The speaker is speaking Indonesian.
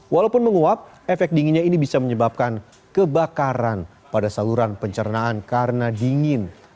walaupun menguap efek dinginnya ini bisa menyebabkan kebakaran pada saluran pencernaan karena dingin